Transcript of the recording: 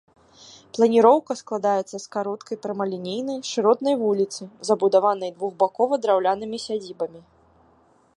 Планіроўка складаецца з кароткай прамалінейнай, шыротнай вуліцы, забудаванай двухбакова драўлянымі сядзібамі.